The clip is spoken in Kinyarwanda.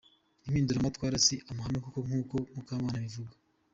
Impinduramatwara si amahamba koko nkuko Mukamana abivuga.